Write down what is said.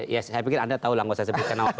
ya saya pikir anda tahu lah nggak usah sebutkan apa